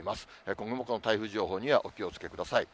今後もこの台風情報にはお気をつけください。